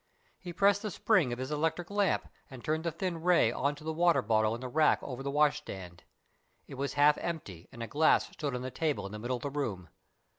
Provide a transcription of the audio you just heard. He pressed the spring of his electric lamp, and turned the thin ray on to the water bottle in the rack over the wash stand. It was half empty, and a glass stood on the table in the middle of the room.